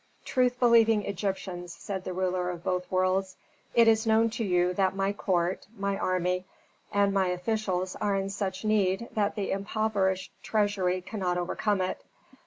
"Truth believing Egyptians," said the ruler of both worlds, "it is known to you that my court, my army, and my officials are in such need that the impoverished treasury cannot overcome it.